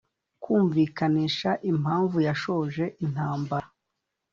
kumvikanisha impamvu yashoje intambara.